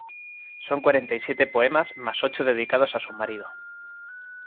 Son cuarenta y siete poemas más ocho dedicados a su marido.